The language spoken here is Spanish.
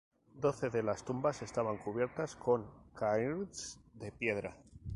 Doce de las tumbas estaban cubiertas con "cairns" de piedra.